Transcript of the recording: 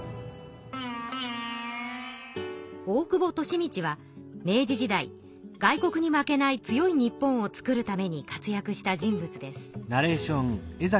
大久保利通は明治時代外国に負けない強い日本をつくるために活躍した人物です。